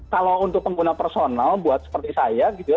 kalau untuk pengguna personal buat seperti saya gitu ya